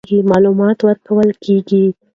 معلومات ورکول کېږي.